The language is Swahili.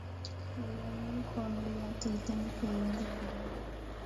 waliamini kuwa meli ya titanic haiwezi kuzama